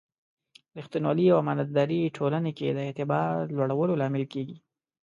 ریښتینولي او امانتداري ټولنې کې د اعتبار لوړولو لامل کېږي.